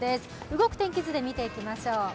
動く天気図で見ていきましょう。